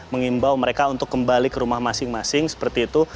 mengimbau mereka untuk kembali ke rumah masing masing seperti itu